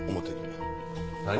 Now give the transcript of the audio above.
何！？